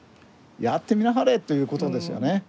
やってみなはれということですよね。